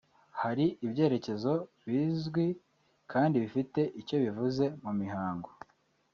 hari ibyerekezo bizwi kandi bifite icyo bivuze mu mihango